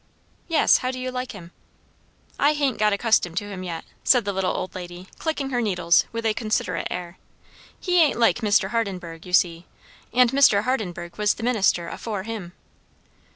"Yes. How do you like him?" "I hain't got accustomed to him yet," said the little old lady, clicking her needles with a considerate air. "He ain't like Mr. Hardenburgh, you see; and Mr. Hardenburgh was the minister afore him."